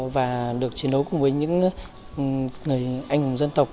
và được chiến đấu cùng với những người anh hùng dân tộc